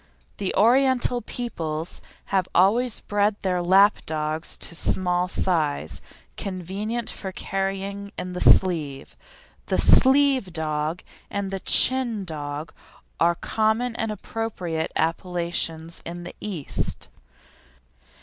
The Oriental peoples have always bred their lap dogs to small size, convenient for carrying in the sleeve. The "sleeve dog" and the "chin dog" are common and appropriate appellations in the East.